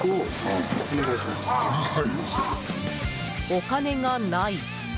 お金がない。